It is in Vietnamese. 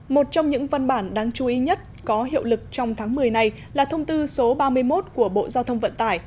một trong những văn bản đáng chú ý nhất có hiệu lực trong tháng một mươi này là thông tư số ba mươi một của bộ giao thông vận tải